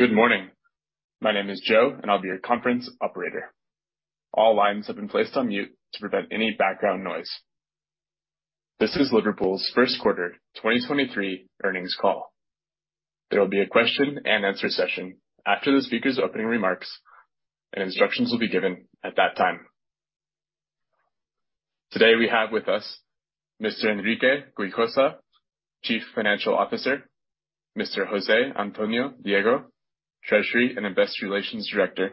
Good morning. My name is Joe. I'll be your conference operator. All lines have been placed on mute to prevent any background noise. This is Liverpool's first quarter 2023 earnings call. There will be a question and answer session after the speaker's opening remarks. Instructions will be given at that time. Today, we have with us Mr. Enrique Güijosa, Chief Financial Officer, Mr. Jose Antonio Diego, Treasury and Investor Relations Director,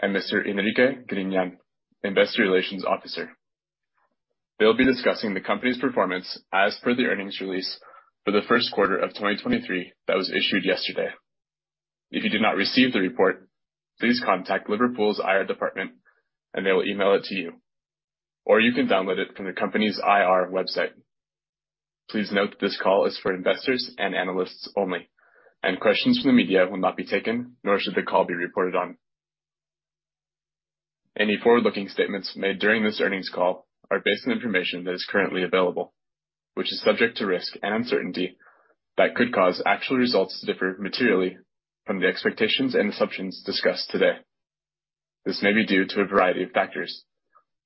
and Mr. Enrique Griñán, Investor Relations Officer. They'll be discussing the company's performance as per the earnings release for the first quarter of 2023 that was issued yesterday. If you did not receive the report, please contact Liverpool's IR department and they will email it to you, or you can download it from the company's IR website. Please note that this call is for investors and analysts only, and questions from the media will not be taken, nor should the call be reported on. Any forward-looking statements made during this earnings call are based on information that is currently available, which is subject to risk and uncertainty that could cause actual results to differ materially from the expectations and assumptions discussed today. This may be due to a variety of factors,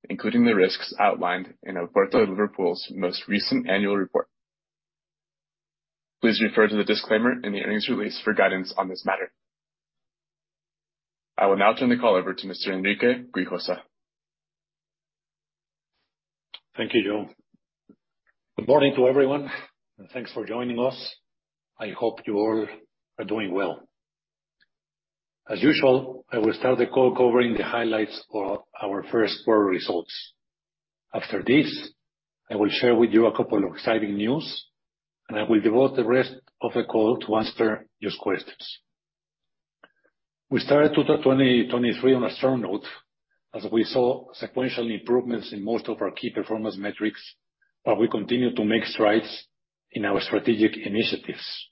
including the risks outlined in El Puerto de Liverpool's most recent annual report. Please refer to the disclaimer in the earnings release for guidance on this matter. I will now turn the call over to Mr. Enrique Güijosa. Thank you, Joe. Good morning to everyone, thanks for joining us. I hope you all are doing well. As usual, I will start the call covering the highlights for our first quarter results. After this, I will share with you a couple of exciting news, I will devote the rest of the call to answer your questions. We started 2023 on a strong note as we saw sequential improvements in most of our key performance metrics, while we continued to make strides in our strategic initiatives.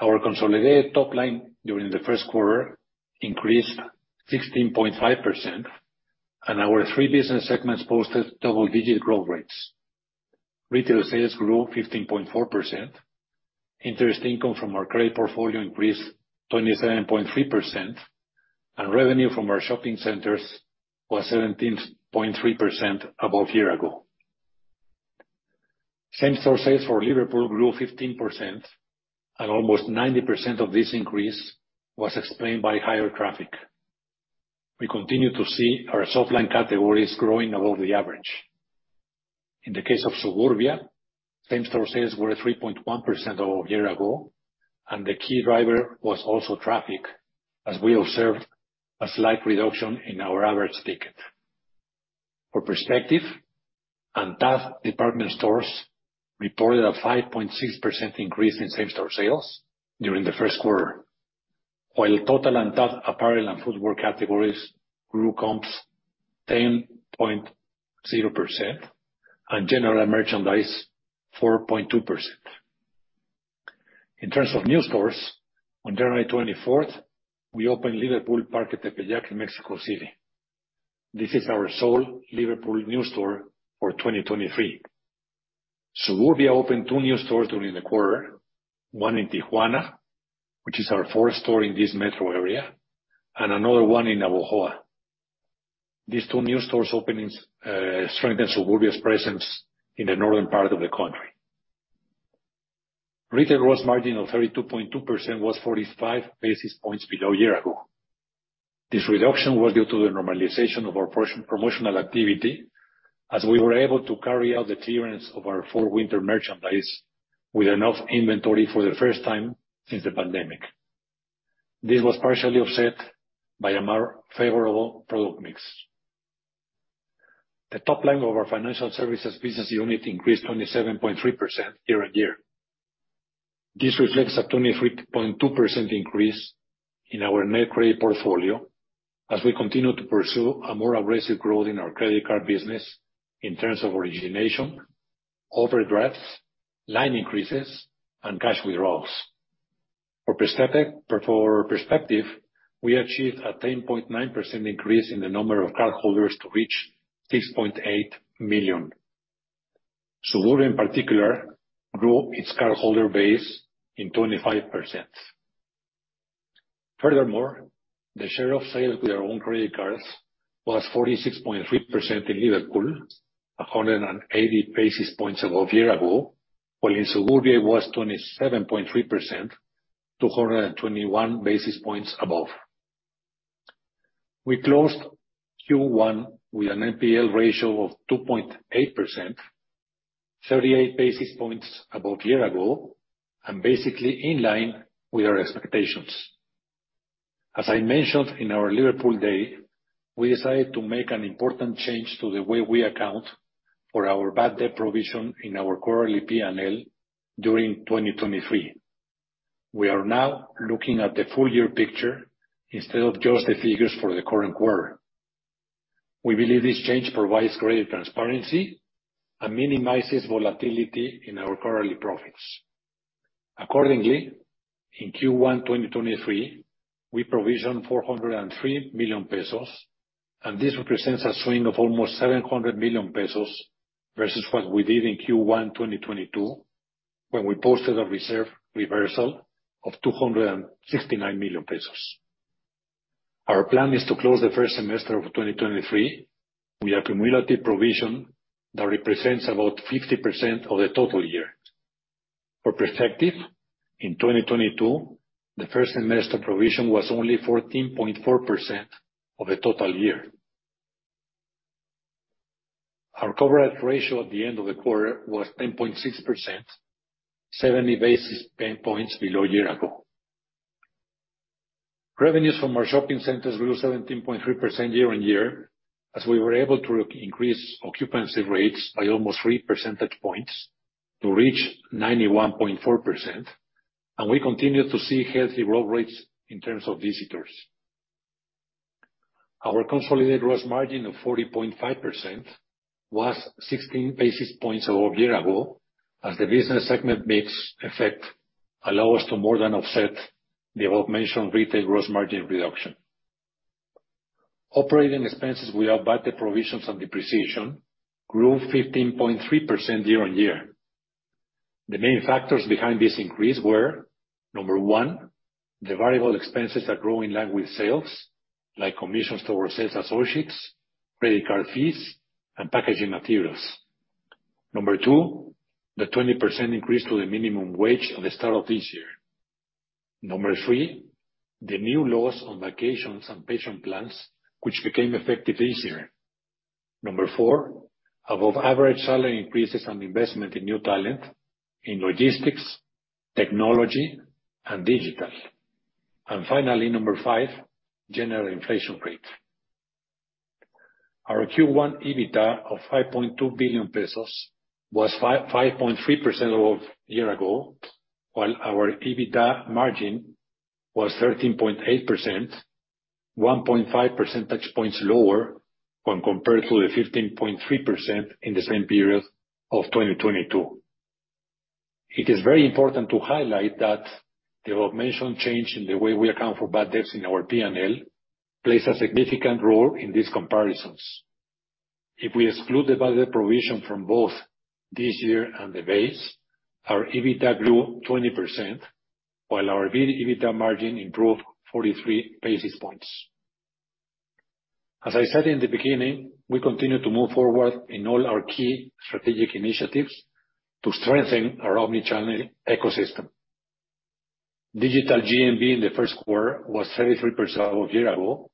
Our consolidated top line during the first quarter increased 16.5%, our three business segments posted double-digit growth rates. Retail sales grew 15.4%, interest income from our credit portfolio increased 27.3%, revenue from our shopping centers was 17.3% above year ago. Same-store sales for Liverpool grew 15%. Almost 90% of this increase was explained by higher traffic. We continue to see our soft line categories growing above the average. In the case of Suburbia, same-store sales were 3.1% over a year ago. The key driver was also traffic, as we observed a slight reduction in our average ticket. For perspective, ANTAD department stores reported a 5.6% increase in same-store sales during the first quarter. While total ANTAD apparel and footwear categories grew comps 10.0% and general merchandise 4.2%. In terms of new stores, on January 24th, we opened Liverpool Parque Tepeyac in Mexico City. This is our sole Liverpool new store for 2023. Suburbia opened two new stores during the quarter, one in Tijuana, which is our fourth store in this metro area, and another one in Oaxaca. These two new stores openings strengthened Suburbia's presence in the northern part of the country. Retail gross margin of 32.2% was 45 basis points below a year-ago. This reduction was due to the normalization of our promotional activity as we were able to carry out the clearance of our full winter merchandise with enough inventory for the first time since the pandemic. This was partially offset by a more favorable product mix. The top line of our financial services business unit increased 27.3% year-on-year. This reflects a 23.2% increase in our net credit portfolio as we continue to pursue a more aggressive growth in our credit card business in terms of origination, overdrafts, line increases, and cash withdrawals. For perspective, we achieved a 10.9% increase in the number of cardholders to reach 6.8 million. Suburbia, in particular, grew its cardholder base in 25%. Furthermore, the share of sales with our own credit cards was 46.3% in Liverpool, 180 basis points above a year ago, while in Suburbia it was 27.3%, 221 basis points above. We closed Q1 with an NPL ratio of 2.8%, 38 basis points above a year ago, and basically in line with our expectations. As I mentioned in our Liverpool Day, we decided to make an important change to the way we account for our bad debt provision in our quarterly P&L during 2023. We are now looking at the full year picture instead of just the figures for the current quarter. We believe this change provides greater transparency and minimizes volatility in our quarterly profits. Accordingly, in Q1 2023, we provisioned 403 million pesos. This represents a swing of almost 700 million pesos versus what we did in Q1 2022, when we posted a reserve reversal of 269 million pesos. Our plan is to close the first semester of 2023 with a cumulative provision that represents about 50% of the total year. For perspective, in 2022, the first semester provision was only 14.4% of the total year. Our coverage ratio at the end of the quarter was 10.6%, 70 basis points below a year ago. Revenues from our shopping centers grew 17.3% year-over-year as we were able to increase occupancy rates by almost 3 percentage points to reach 91.4%. We continue to see healthy growth rates in terms of visitors. Our consolidated gross margin of 40.5% was 16 basis points over a year ago as the business segment mix effect allow us to more than offset the aforementioned retail gross margin reduction. Operating expenses without bad debt provisions and depreciation grew 15.3% year-over-year. The main factors behind this increase were, number 1, the variable expenses that grow in line with sales, like commissions to our sales associates, credit card fees, and packaging materials. Number two, the 20% increase to the minimum wage at the start of this year. Number three, the new laws on vacations and patient plans, which became effective this year. Number four, above average salary increases and investment in new talent in logistics, technology, and digital. Finally, number five, general inflation rate. Our Q1 EBITDA of 5.2 billion pesos was 5.3% over a year ago, while our EBITDA margin was 13.8%, 1.5 percentage points lower when compared to the 15.3% in the same period of 2022. It is very important to highlight that the aforementioned change in the way we account for bad debts in our P&L plays a significant role in these comparisons. If we exclude the bad debt provision from both this year and the base, our EBITDA grew 20%, while our EBITDA margin improved 43 basis points. As I said in the beginning, we continue to move forward in all our key strategic initiatives to strengthen our omnichannel ecosystem. Digital GMV in the first quarter was 33% over a year ago.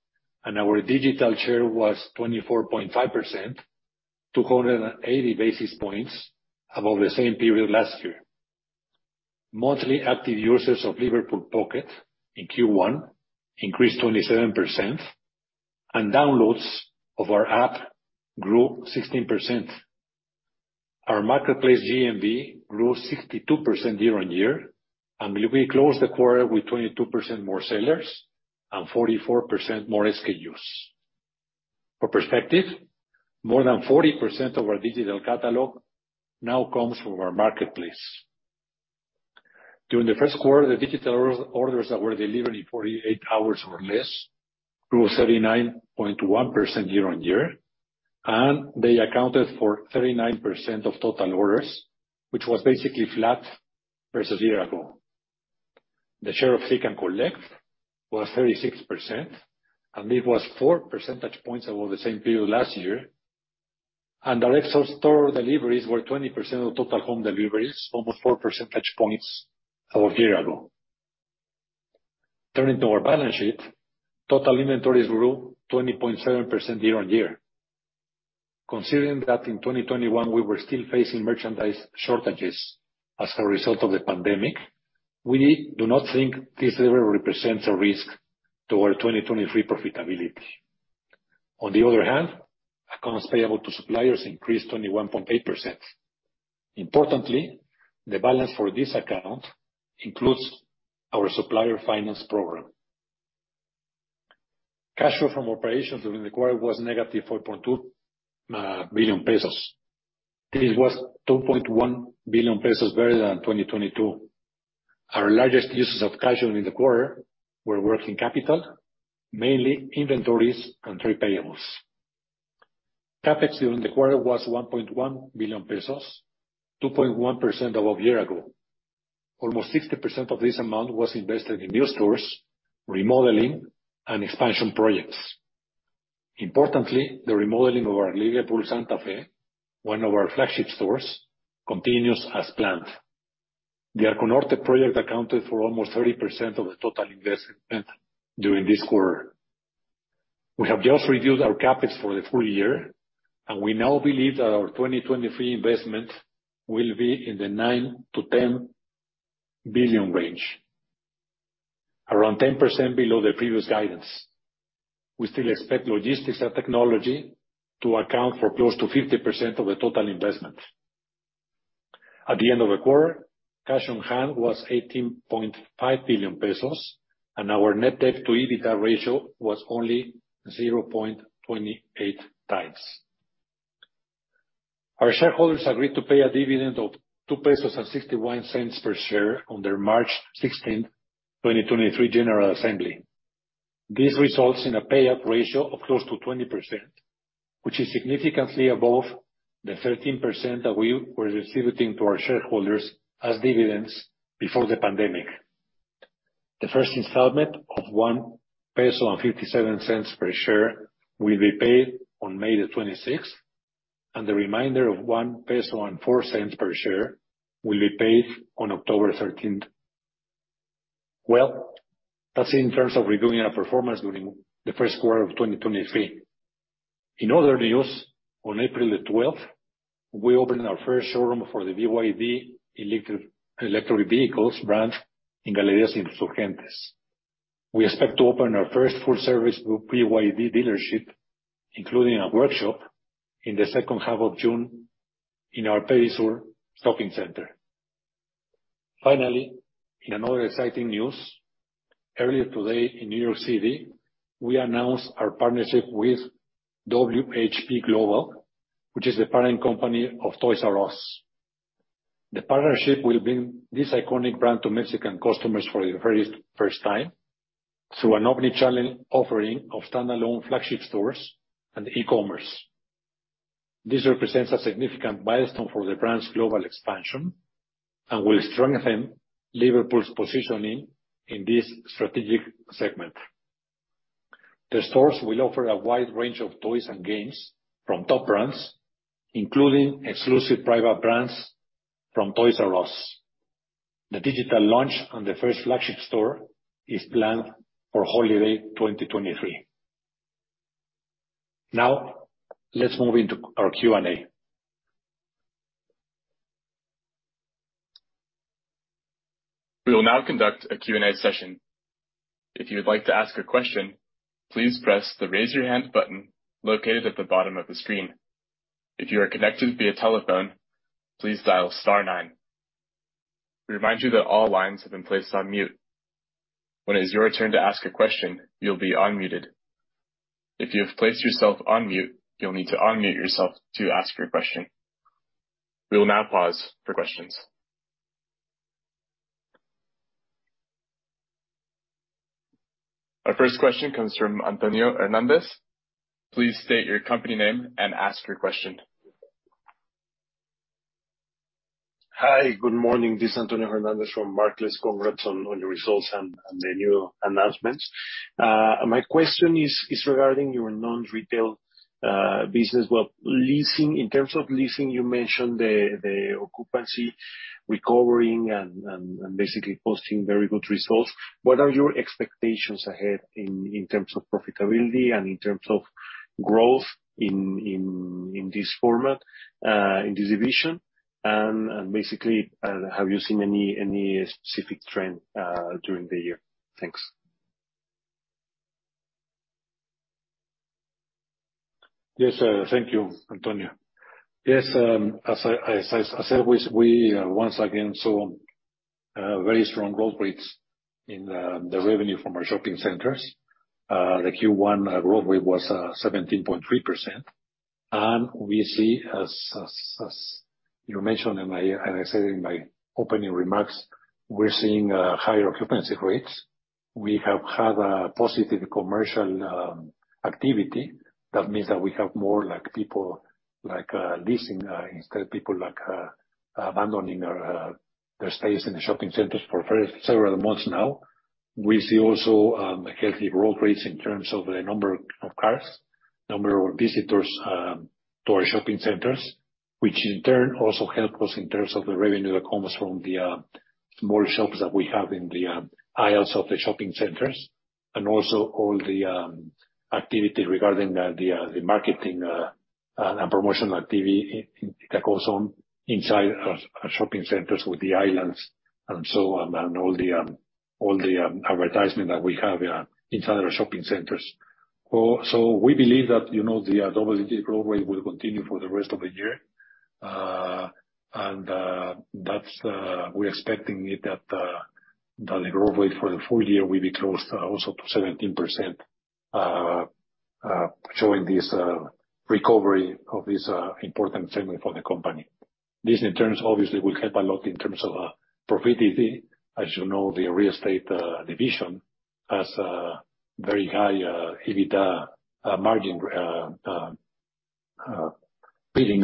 Our digital share was 24.5%, 280 basis points above the same period last year. Monthly active users of Liverpool Pocket in Q1 increased 27%. Downloads of our app grew 16%. Our Marketplace GMV grew 62% year-on-year, and we closed the quarter with 22% more sellers and 44% more SKUs. For perspective, more than 40% of our digital catalog now comes from our Marketplace. During the first quarter, the digital orders that were delivered in 48 hours or less grew 79.1% year-on-year, and they accounted for 39% of total orders, which was basically flat versus a year ago. The share of Click & Collect was 36%, and it was 4 percentage points over the same period last year. Our in-store deliveries were 20% of total home deliveries, almost 4 percentage points over a year ago. Turning to our balance sheet, total inventories grew 20.7% year-on-year. Considering that in 2021, we were still facing merchandise shortages as a result of the pandemic, we do not think this ever represents a risk to our 2023 profitability. On the other hand, accounts payable to suppliers increased 21.8%. Importantly, the balance for this account includes our supplier finance program. Cash flow from operations during the quarter was negative 4.2 billion pesos. This was 2.1 billion pesos better than in 2022. Our largest uses of cash flow in the quarter were working capital, mainly inventories and trade payables. CapEx during the quarter was 1.1 billion pesos, 2.1% over a year ago. Almost 60% of this amount was invested in new stores, remodeling, and expansion projects. Importantly, the remodeling of our Liverpool Santa Fe, one of our flagship stores, continues as planned. The Arconorte project accounted for almost 30% of the total investment spent during this quarter. We have just reviewed our CapEx for the full year, and we now believe that our 2023 investment will be in the 9 billion-10 billion range, around 10% below the previous guidance. We still expect logistics and technology to account for close to 50% of the total investment. At the end of the quarter, cash on hand was 18.5 billion pesos, and our net debt to EBITDA ratio was only 0.28 times. Our shareholders agreed to pay a dividend of 2.61 pesos per share on their March 16, 2023 general assembly. This results in a payout ratio of close to 20%, which is significantly above the 13% that we were distributing to our shareholders as dividends before the pandemic. The first installment of 1.57 peso per share will be paid on May 26, and the remainder of 1.04 peso per share will be paid on October 13. Well, that's in terms of reviewing our performance during the first quarter of 2023. In other news, on April 12th, we opened our first showroom for the BYD electric vehicles branch in Galerías Insurgentes. We expect to open our first full-service BYD dealership, including a workshop, in the second half of June in our Perisur Shopping Center. Finally, in another exciting news, earlier today in New York City, we announced our partnership with WHP Global, which is the parent company of Toys"R"Us. The partnership will bring this iconic brand to Mexican customers for the very first time through an omnichannel offering of standalone flagship stores and e-commerce. This represents a significant milestone for the brand's global expansion and will strengthen Liverpool's positioning in this strategic segment. The stores will offer a wide range of toys and games from top brands, including exclusive private brands from Toys"R"Us. The digital launch on the first flagship store is planned for holiday 2023. Let's move into our Q&A. We will now conduct a Q&A session. If you would like to ask a question, please press the Raise Your Hand button located at the bottom of the screen. If you are connected via telephone, please dial star nine. We remind you that all lines have been placed on mute. When it is your turn to ask a question, you'll be unmuted. If you have placed yourself on mute, you'll need to unmute yourself to ask your question. We will now pause for questions. Our first question comes from Antonio Hernandez. Please state your company name and ask your question. Hi. Good morning. This is Antonio Hernandez from Actinver. Congrats on your results and the new announcements. My question is regarding your non-retail business. In terms of leasing, you mentioned the occupancy recovering and basically posting very good results. What are your expectations ahead in terms of profitability and in terms of growth in this format in this division? Basically, have you seen any specific trend during the year? Thanks. Yes. Thank you, Antonio. Yes, as I said, we once again saw very strong growth rates in the revenue from our shopping centers. The Q1 growth rate was 17.3%. We see, as you mentioned, and I said in my opening remarks, we're seeing higher occupancy rates. We have had a positive commercial activity. That means that we have more like people, like leasing, instead of people like abandoning their stays in the shopping centers for several months now. We see also a healthy growth rates in terms of the number of cars, number of visitors to our shopping centers, which in turn also help us in terms of the revenue that comes from the small shops that we have in the isles of the shopping centers, and also all the activity regarding the marketing and promotional activity that goes on inside our shopping centers with the islands and so on, and all the advertisement that we have inside our shopping centers. We believe that, you know, the GMV growth rate will continue for the rest of the year. That's we're expecting it that the growth rate for the full year will be close also to 17% showing this recovery of this important segment for the company. This, in terms, obviously will help a lot in terms of profitability. As you know, the real estate division has a very high EBITDA margin rating.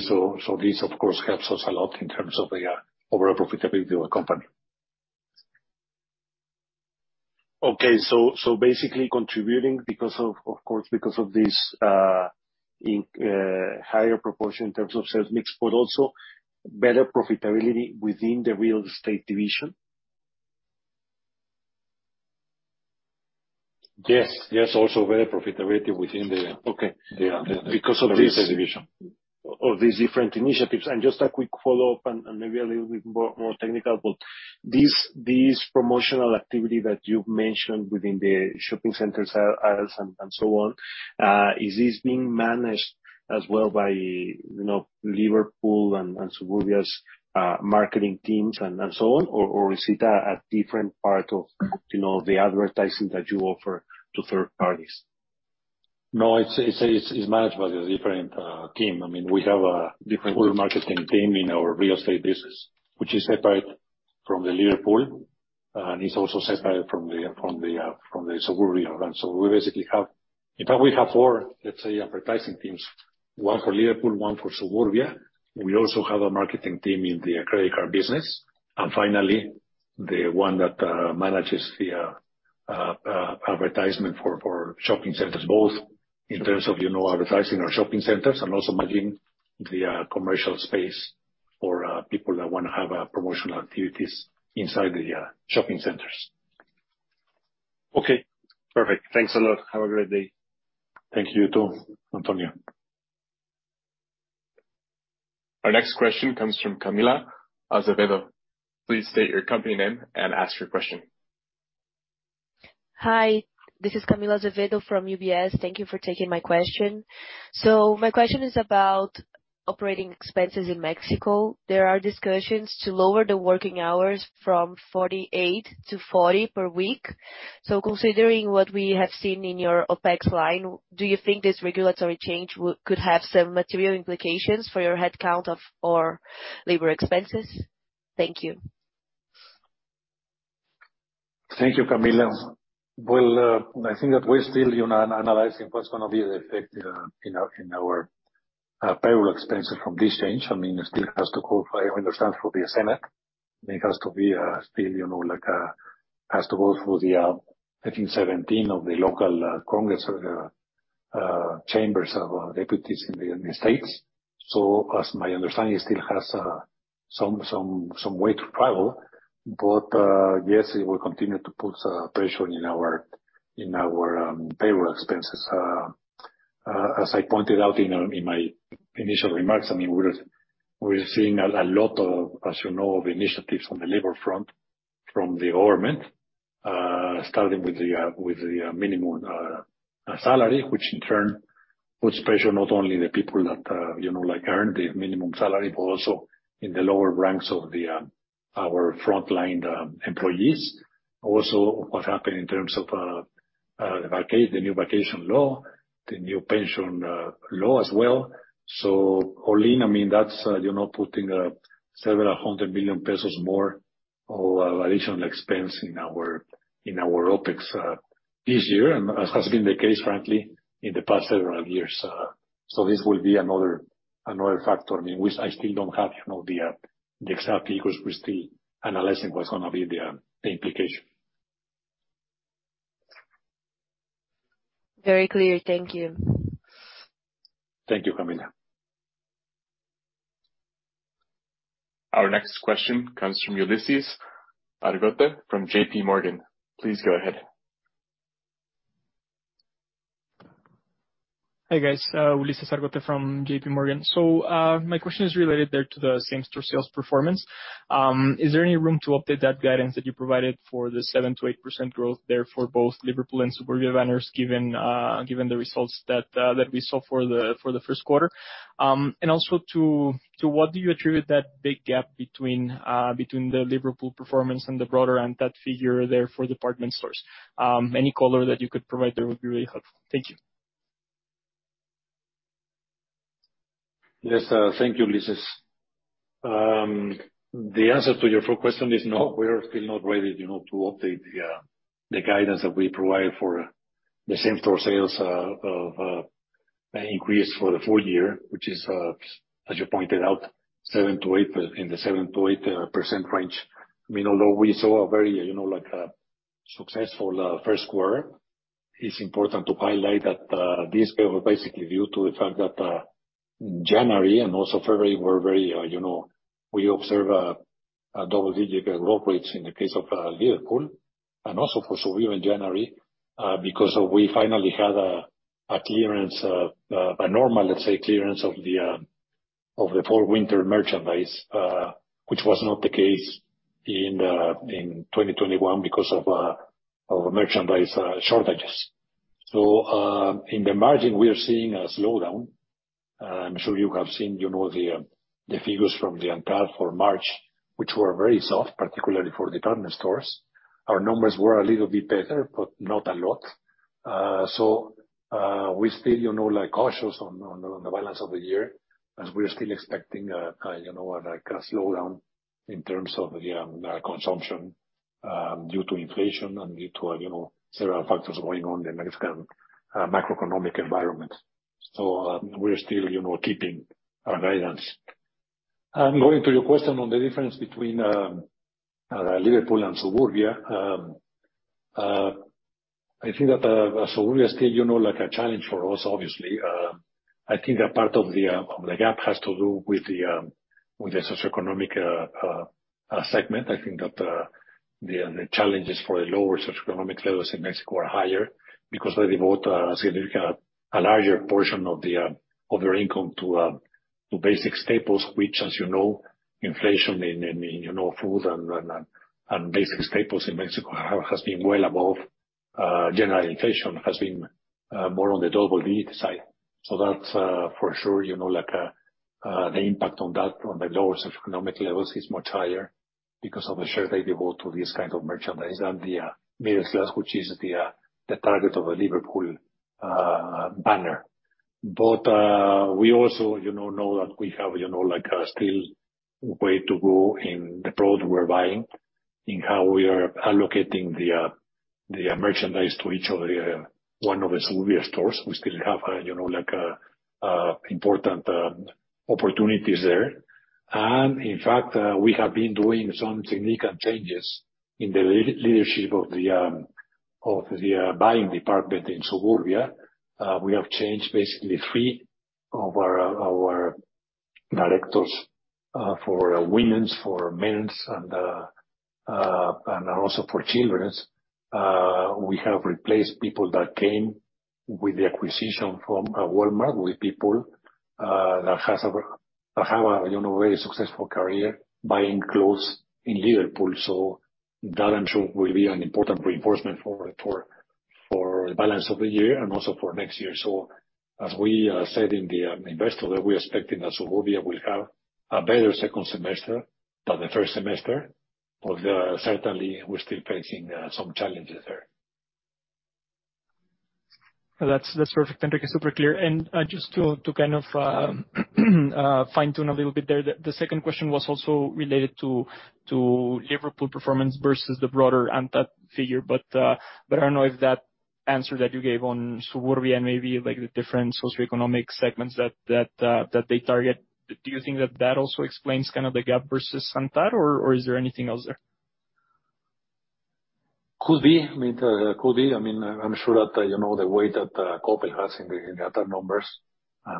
This of course helps us a lot in terms of the overall profitability of the company. Okay. Basically contributing because of course, because of this higher proportion in terms of sales mix, but also better profitability within the real estate division? Yes. Yes. Also better profitability. Okay. Yeah. Because of this. Real estate division. Of these different initiatives. Just a quick follow-up and maybe a little bit more technical, but these promotional activity that you've mentioned within the shopping centers aisles and so on, is this being managed as well by, you know, Liverpool and Suburbia's marketing teams and so on, or is it a different part of, you know, the advertising that you offer to third parties? No, it's managed by the different team. I mean, we have a different marketing team in our real estate business, which is separate from the Liverpool, and it's also separate from the Suburbia brand. In fact, we have four, let's say, advertising teams. One for Liverpool, one for Suburbia. We also have a marketing team in the credit card business. Finally, the one that manages the advertisement for shopping centers, both in terms of, you know, advertising our shopping centers and also marketing the commercial space for people that wanna have promotional activities inside the shopping centers. Okay, perfect. Thanks a lot. Have a great day. Thank you too, Antonio. Our next question comes from Camilla Azevedo. Please state your company name and ask your question. Hi, this is Camilla Azevedo from UBS. Thank you for taking my question. My question is about operating expenses in Mexico. There are discussions to lower the working hours from 48 to 40 per week. Considering what we have seen in your OpEx line, do you think this regulatory change could have some material implications for your headcount or labor expenses? Thank you. Thank you, Camilla. Well, I think that we're still, you know, analyzing what's gonna be the effect in our, in our payroll expenses from this change. I mean, it still has to go, I understand, through the Senate. I mean, it has to be still, you know, like, has to go through the, I think 17 of the local congress chambers of deputies in the States. As my understanding, it still has some way to travel. Yes, it will continue to put pressure in our, exact figures. We're still analyzing what's gonna be the implication. Very clear. Thank you. Thank you, Camilla. Our next question comes from Ulises Argote from JP Morgan. Please go ahead. Hi, guys. Ulises Argote from JP Morgan. My question is related there to the same-store sales performance. Is there any room to update that guidance that you provided for the 7%-8% growth there for both Liverpool and Suburbia banners, given the results that we saw for the first quarter? And also to what do you attribute that big gap between the Liverpool performance and the broader and that figure there for department stores? Any color that you could provide there would be really helpful. Thank you. Yes. Thank you, Ulises. The answer to your first question is no, we are still not ready, you know, to update the guidance that we provide for the same-store sales of increase for the full year, which is, as you pointed out, 7%-8% range. I mean, although we saw a very, you know, like a successful first quarter, it's important to highlight that this was basically due to the fact that January and also February were very, you know... We observe a double-digit growth rates in the case of Liverpool and also for Suburbia in January because we finally had a clearance, a normal, let's say, clearance of the fall/winter merchandise, which was not the case in 2021 because of merchandise shortages. In the margin, we are seeing a slowdown. I'm sure you have seen, you know, the figures from the ANTAD for March, which were very soft, particularly for department stores. Our numbers were a little bit better, but not a lot. We're still, you know, like, cautious on the balance of the year, as we are still expecting a, you know, like a slowdown in terms of the consumption due to inflation and due to, you know, several factors going on in the Mexican macroeconomic environment. We're still, you know, keeping our guidance. Going to your question on the difference between Liverpool and Suburbia, I think that Suburbia is still, you know, like a challenge for us, obviously. I think a part of the gap has to do with the socioeconomic segment. I think that the challenges for the lower socioeconomic levels in Mexico are higher because they devote a significant, a larger portion of their income to basic staples, which as you know, inflation in, you know, food and basic staples in Mexico has been well above general inflation, has been more on the double-digit side. That's for sure, you know, like the impact on that, on the lower socioeconomic levels is much higher. Because of the share they devote to this kind of merchandise and the middle class, which is the target of a Liverpool banner. We also, you know that we have, you know, like, a still way to go in the product we're buying, in how we are allocating the merchandise to each of the one of the Suburbia stores. We still have, you know, like, important opportunities there. In fact, we have been doing some technical changes in the leadership of the buying department in Suburbia. We have changed basically 3 of our directors, for women's, for men's and also for children's. We have replaced people that came with the acquisition from Walmart with people that have a, you know, very successful career buying clothes in Liverpool. That I'm sure will be an important reinforcement for the balance of the year and also for next year. As we said in the Liverpool Day, we're expecting that Suburbia will have a better second semester than the first semester, but certainly we're still facing some challenges there. That's perfect, Enrique. Super clear. Just to kind of fine-tune a little bit there. The second question was also related to Liverpool performance versus the broader ANTAD figure. I don't know if that answer that you gave on Suburbia and maybe, like, the different socioeconomic segments that they target, do you think that that also explains kind of the gap versus ANTAD or is there anything else there? Could be. I mean, could be. I mean, I'm sure that, you know, the way that Coppel has in the ANTAD numbers,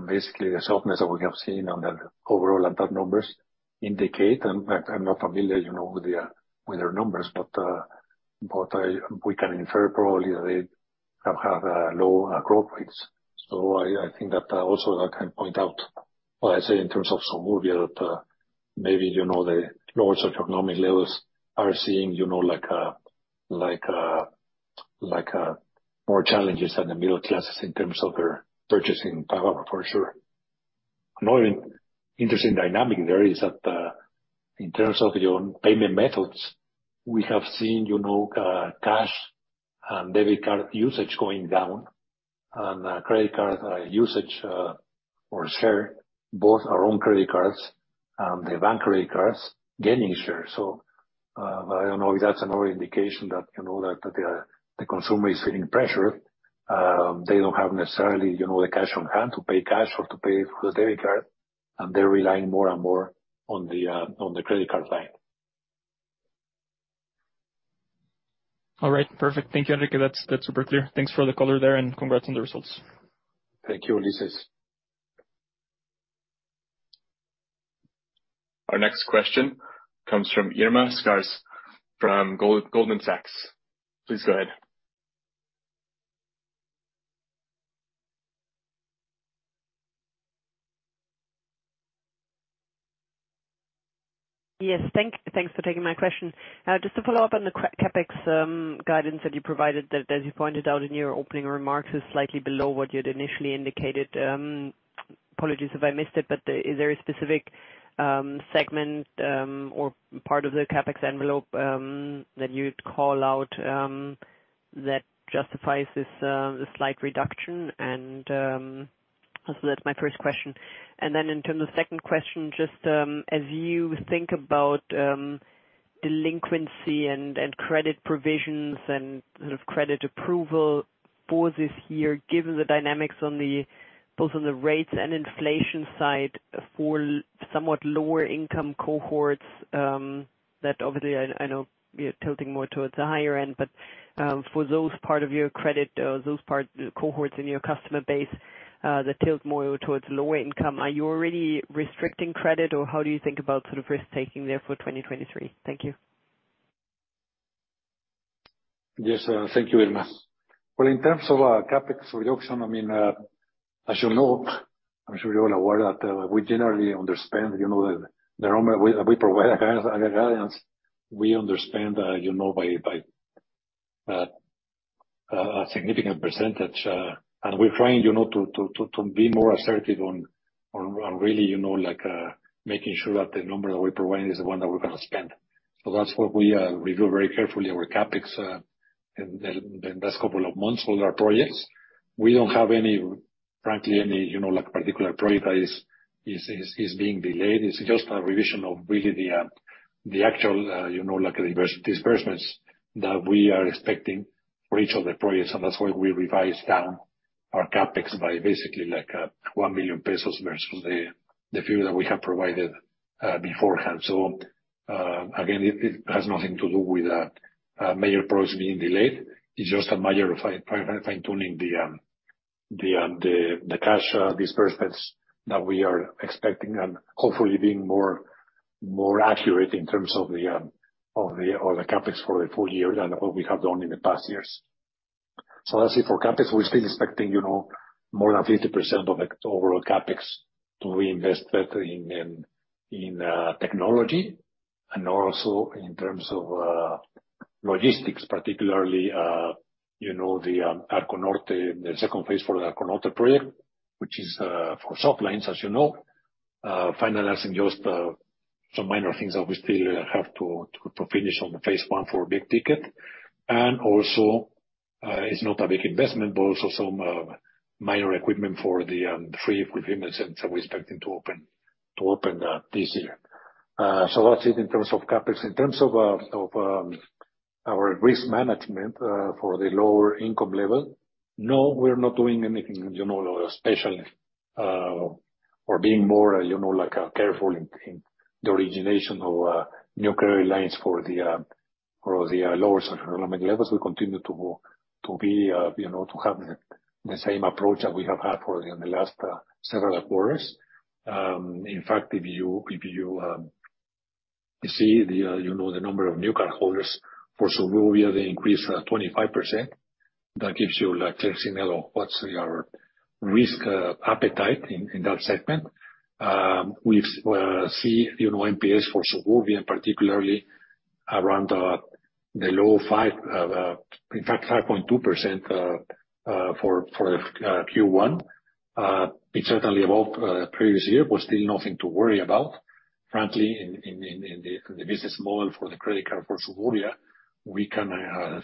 basically the softness that we have seen on the overall ANTAD numbers indicate, and I'm not familiar, you know, with the with their numbers, but we can infer probably that they have had low growth rates. I think that also that can point out what I say in terms of Suburbia, that maybe, you know, the lower socioeconomic levels are seeing, you know, like more challenges than the middle classes in terms of their purchasing power for sure. Another interesting dynamic there is that, in terms of, you know, payment methods, we have seen, you know, cash and debit card usage going down and credit card usage, or share, both our own credit cards, the bank credit cards gaining share. I don't know if that's another indication that, you know, that the consumer is feeling pressure. They don't have necessarily, you know, the cash on hand to pay cash or to pay with debit card, and they're relying more and more on the credit card side. All right. Perfect. Thank you, Enrique. That's super clear. Thanks for the color there and congrats on the results. Thank you, Ulises. Our next question comes from Irma Sgarz from Goldman Sachs. Please go ahead. Yes, thanks for taking my question. Just to follow up on the CapEx guidance that you provided, that as you pointed out in your opening remarks, is slightly below what you'd initially indicated. Apologies if I missed it, but is there a specific segment or part of the CapEx envelope that you'd call out that justifies this slight reduction? That's my first question. In terms of second question, just, as you think about delinquency and credit provisions and sort of credit approval for this year, given the dynamics on the both on the rates and inflation side for somewhat lower income cohorts, that obviously I know you're tilting more towards the higher end, but, for those part of your credit, those part cohorts in your customer base, that tilt more towards lower income, are you already restricting credit or how do you think about sort of risk taking there for 2023? Thank you. Yes. Thank you, Irma. Well, in terms of CapEx reduction, I mean, as you know, I'm sure you're all aware that we generally understand, you know, the number we provide as a guidance, we understand, you know, by a significant percentage. We're trying, you know, to be more assertive on really, you know, like, making sure that the number that we're providing is the one that we're gonna spend. That's what we review very carefully our CapEx in the past couple of months for our projects. We don't have any, frankly, any, you know, like, particular project that is being delayed. It's just a revision of really the actual, you know, like, disbursements that we are expecting for each of the projects. That's why we revised down our CapEx by basically, like, 1 million pesos versus the view that we had provided beforehand. Again, it has nothing to do with a major project being delayed. It's just a matter of fine-tuning the cash disbursements that we are expecting and hopefully being more accurate in terms of the CapEx for the full year than what we have done in the past years. That's it for CapEx. We're still expecting, you know, more than 50% of the overall CapEx to reinvest that in technology and also in terms of Logistics, particularly, you know, the Arconorte, the second phase for the Arconorte project, which is for soft lines, as you know. Finalizing just some minor things that we still have to finish on the phase one for big ticket. Also, it's not a big investment, but also some minor equipment for the free fulfillment center we're expecting to open this year. That's it in terms of CapEx. In terms of our risk management for the lower income level, no, we're not doing anything, you know, especially, or being more, you know, like, careful in the origination of new credit lines for the lower socioeconomic levels. We continue to be, you know, to have the same approach that we have had for, you know, the last several quarters. In fact, if you, if you know, the number of new cardholders for Suburbia, they increased 25%. That gives you like clear signal of what's our risk appetite in that segment. We've see, you know, NPLs for Suburbia, particularly around the low five, in fact, 5.2%, for the Q1. It certainly evolved previous year, but still nothing to worry about. Frankly, in the business model for the credit card for Suburbia, we can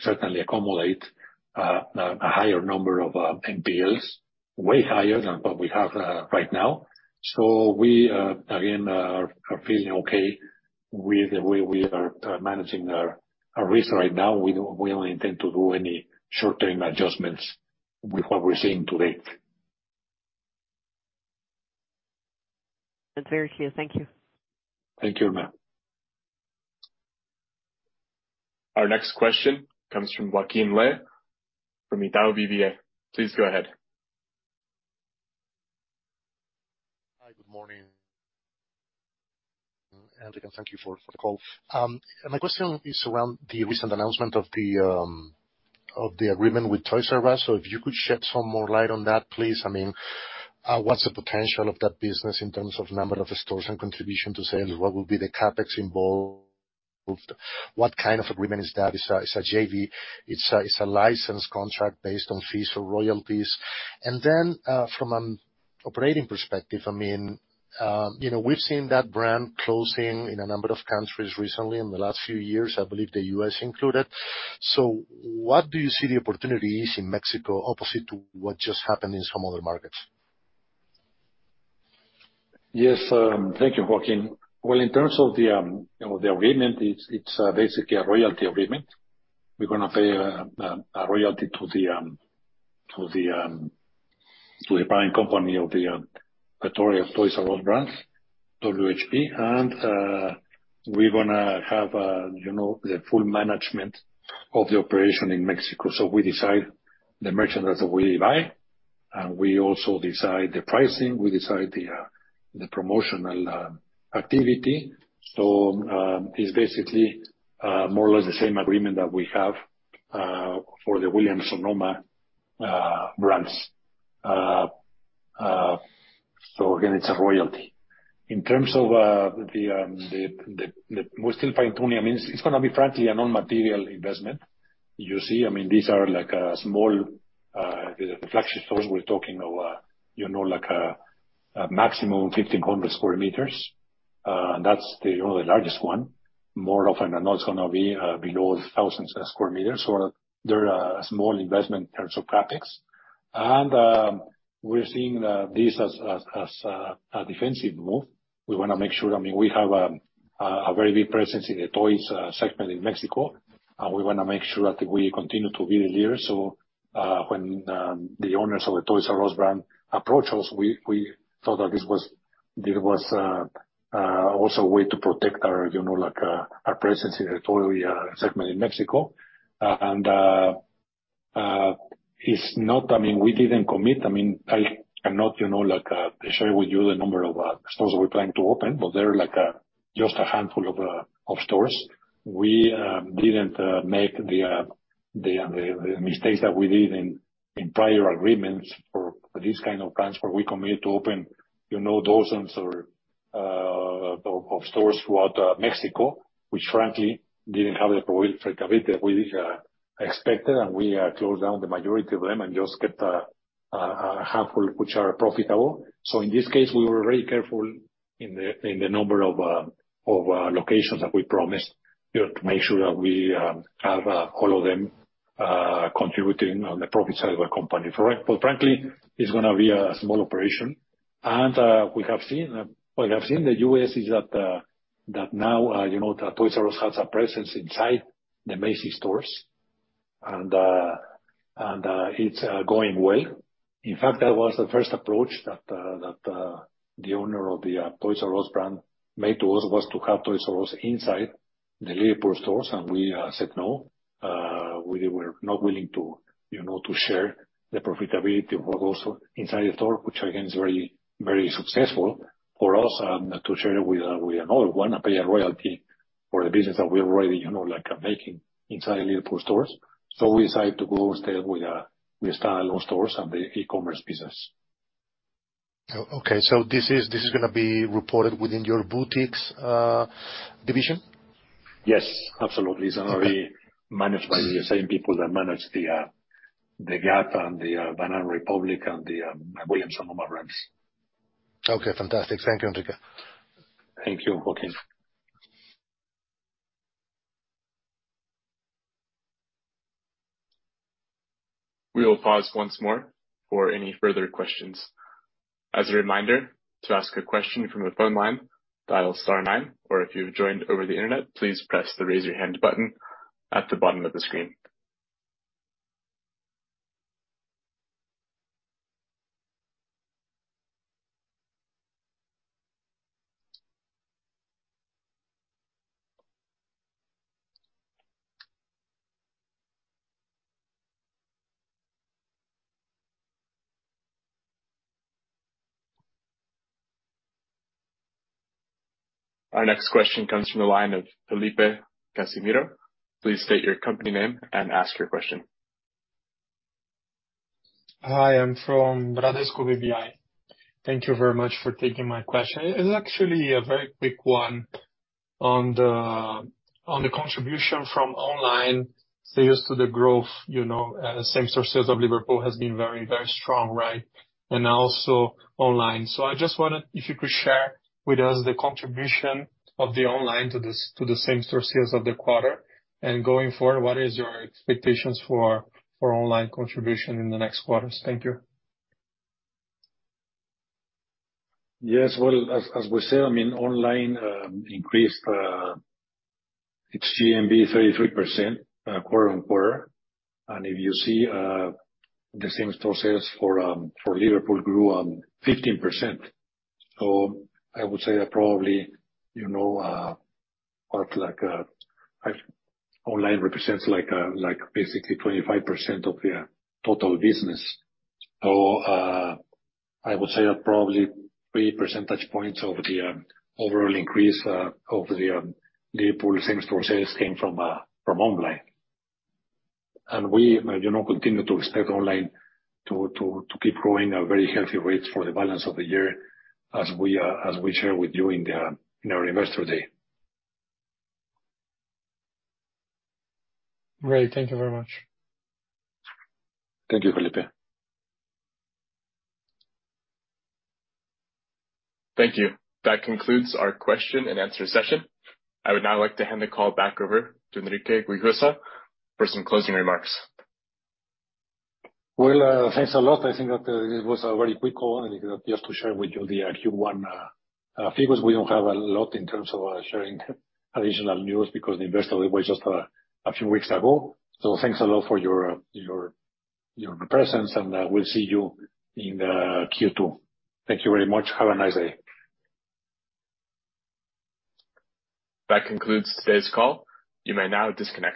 certainly accommodate a higher number of NPLs, way higher than what we have right now. We again, are feeling okay with the way we are managing our risk right now. We don't intend to do any short-term adjustments with what we're seeing to date. That's very clear. Thank you. Thank you, Anna. Our next question comes from Alejandro Fucs from Itaú BBA. Please go ahead. Hi. Good morning, Antonio. Thank you for the call. My question is around the recent announcement of the agreement with Toys Us. If you could shed some more light on that, please. I mean, what's the potential of that business in terms of number of stores and contribution to sales? What will be the CapEx involved? What kind of agreement is that? It's a JV. It's a license contract based on fees or royalties. Then, from an operating perspective, I mean, you know, we've seen that brand closing in a number of countries recently in the last few years, I believe the U.S. included. What do you see the opportunity is in Mexico opposite to what just happened in some other markets? Yes. Thank you, Joaquin. In terms of the, you know, the agreement, it's basically a royalty agreement. We're gonna pay a royalty to the parent company of the pictorial Toys Us brand, WHP. We're gonna have, you know, the full management of the operation in Mexico. We decide the merchandise that we buy, and we also decide the pricing, we decide the promotional activity. It's basically more or less the same agreement that we have for the Williams Sonoma brands. Again, it's a royalty. In terms of the, we're still fine-tuning. I mean, it's gonna be frankly a non-material investment. You see, I mean, these are like small, the flagship stores we're talking of, you know, like a maximum 1,500 square meters. That's the, you know, the largest one. More often than not, it's gonna be below 1,000 square meters. They're a small investment in terms of CapEx. We're seeing this as a defensive move. We wanna make sure. I mean, we have a very big presence in the toys segment in Mexico, and we wanna make sure that we continue to be the leader. When the owners of the Toys R Us brand approached us, we thought that there was also a way to protect our, you know, like, our presence in the toy segment in Mexico. I mean, we didn't commit. I mean, I cannot, you know, like, share with you the number of stores that we're planning to open, but there are like, just a handful of stores. We didn't make the the mistakes that we did in prior agreements for these kind of brands, where we commit to open, you know, dozens or of stores throughout Mexico, which frankly didn't have the profitability that we expected. We closed down the majority of them and just kept a handful which are profitable. In this case, we were very careful in the, in the number of locations that we promised to make sure that we have all of them contributing on the profit side of the company. For frankly, it's gonna be a small operation. We have seen, what I've seen in the US is that now, you know, the Toys Us has a presence inside the Macy's stores, and it's going well. In fact, that was the first approach that the owner of the Toys Us brand made to us, was to have Toys Us inside the Liverpool stores, and we said no. We were not willing to, you know, to share the profitability of what goes inside the store, which again, is very, very successful for us, to share it with a, with another one, pay a royalty for the business that we already, you know, like, are making inside Liverpool stores. We decided to go instead with standalone stores and the e-commerce business. Okay. This is gonna be reported within your boutiques division? Yes, absolutely. It's already managed by the same people that manage the Gap and the, Banana Republic and the, Williams Sonoma brands. Okay, fantastic. Thank you, Enrique. Thank you, Joaquin. We will pause once more for any further questions. As a reminder, to ask a question from a phone line, dial star nine, or if you've joined over the internet, please press the Raise Your Hand button at the bottom of the screen. Our next question comes from the line of Felipe Cassimiro. Please state your company name and ask your question. Hi, I'm from Bradesco BBI. Thank you very much for taking my question. It's actually a very quick one on the, on the contribution from online sales to the growth, you know, same-store sales of Liverpool has been very strong, right? Also online. I just wondered if you could share with us the contribution of the online to the same-store sales of the quarter. Going forward, what is your expectations for online contribution in the next quarters? Thank you. Yes. Well, as we say, I mean, online increased its GMV 33% quarter on quarter. If you see the same-store sales for Liverpool grew 15%. I would say that probably, you know, part, like, Online represents like basically 25% of the total business. I would say that probably 3 percentage points over the overall increase over the Liverpool same-store sales came from online. We, you know, continue to expect online to keep growing at very healthy rates for the balance of the year as we share with you in our Investor Day. Great. Thank you very much. Thank you, Felipe. Thank you. That concludes our question and answer session. I would now like to hand the call back over to Enrique Güijosa for some closing remarks. Well, thanks a lot. I think that, it was a very quick call, I think, just to share with you the Q1 figures. We don't have a lot in terms of sharing additional news because the Liverpool Day was just a few weeks ago. Thanks a lot for your presence, and we'll see you in Q2. Thank you very much. Have a nice day. That concludes today's call. You may now disconnect.